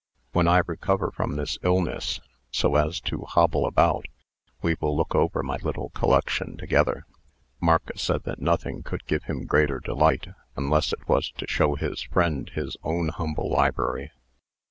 When I recover from this illness so as to hobble about, we will look over my little collection together." Marcus said that nothing could give him greater delight, unless it was to show his friend his own humble library.